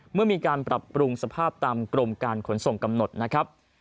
เมื่อมีการปรับปรุงสภาพตามกรมการขนส่งกำหนดนะครับ